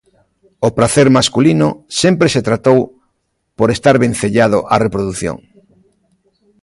O pracer masculino sempre se tratou por estar vencellado á reprodución.